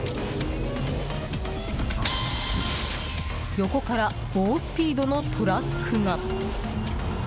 横から猛スピードのトラックが。